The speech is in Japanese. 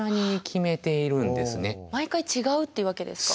毎回違うっていうわけですか。